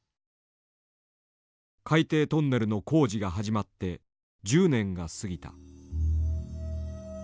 海底トンネルの工事が始まって１０年が過ぎた。